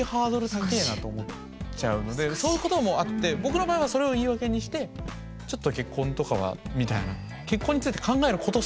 難しい。と思っちゃうのでそういうこともあって僕の場合はそれを言い訳にしてちょっと結婚とかはみたいな。